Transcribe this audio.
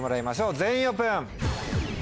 全員オープン。